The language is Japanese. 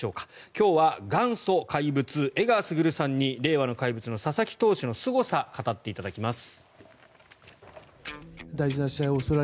今日は元祖怪物、江川卓さんに令和の怪物の佐々木投手のすごさを語っていただきます。